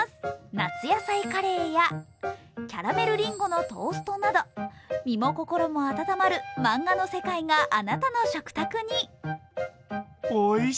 夏野菜カレーやキャラメルりんごのトーストなど身も心も温まる漫画の世界があなたの食卓に。